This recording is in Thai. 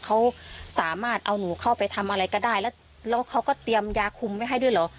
เขาสามารถเอาหนูเข้าไปทำอะไรก็ได้แล้วแล้วเขาก็เตรียมยาคุมไว้ให้ด้วยเหรอ